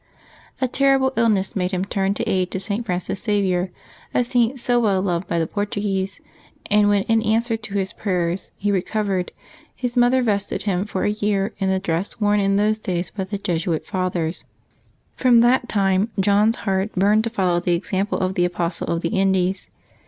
A terrible illness made him turn for aid to St. Francis Xavier, a Saint so well loved by the Portuguese ; and when, in answer to his prayers, he recovered, his mother vested him for a year in the dress worn in those days by the Jesuit Fathers. From that time John's heart burned to follow the example of the Apostle of the Indies.